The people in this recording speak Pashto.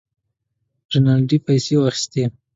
رینالډي پیسې واخیستې.